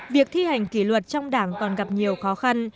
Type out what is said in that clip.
việc thi hành kỷ luật trong đảng còn gặp nhiều khó khăn